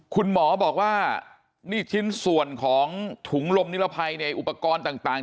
คุณหมอบอกว่านี่ชิ้นส่วนของถุงลมนิรภัยในอุปกรณ์ต่าง